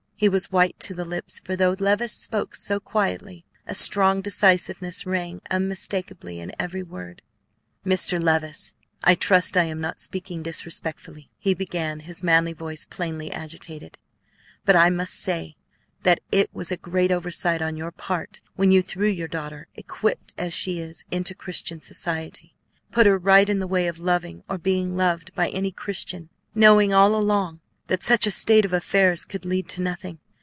He was white to the lips, for though Levice spoke so quietly, a strong decisiveness rang unmistakably in every word. "Mr. Levice, I trust I am not speaking disrespectfully," he began, his manly voice plainly agitated, "but I must say that it was a great oversight on your part when you threw your daughter, equipped as she is, into Christian society, put her right in the way of loving or being loved by any Christian, knowing all along that such a state of affairs could lead to nothing.